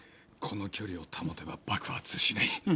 この距離を保てば爆発しない。